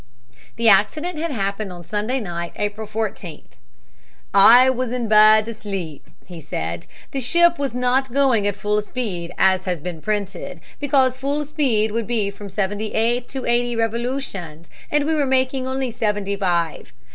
The accident had happened on Sunday night, April 14th. "I was in bed and asleep," he said. "The ship was not going at full speed, as has been printed, because full speed would be from seventy eight to eighty revolutions, and we were making only seventy five.